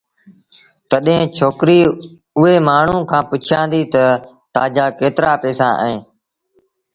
تڏهيݩ ڇوڪري اُئي مآڻهوٚٚݩ کآݩ پُڇيآݩدي تا تآجآ ڪيترآ پيئيٚسآ اهيݩ